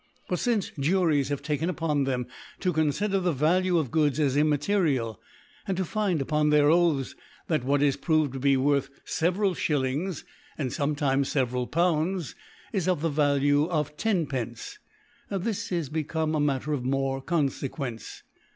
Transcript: But fince Juries have taken upoa them to confidertheV^ueof Goods as im^ material, and to' find upon their Oaths, that what is proved to be worth ieveralShilUogs^ and ibmetimes feverai Pounds, is of the Va^ lue of Tenpence, this is become a Matter of more Confequence.